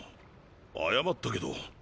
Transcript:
謝ったけど。